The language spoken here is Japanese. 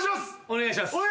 お願いします。